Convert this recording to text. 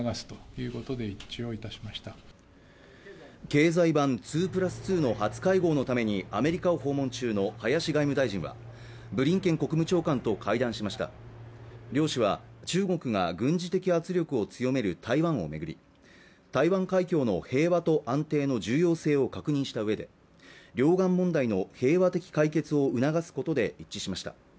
経済版２＋２の初会合のためにアメリカを訪問中の林外務大臣はブリンケン国務長官と会談しました両氏は中国が軍事的圧力を強める台湾を巡り台湾海峡の平和と安定の重要性を確認した上で両岸問題の平和的解決を促すことで一致しました